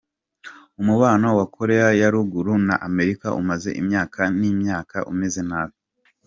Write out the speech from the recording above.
Umubano wa Koreya ya Ruguru na Amerika umaze imyaka n’imyaka umeze nabi.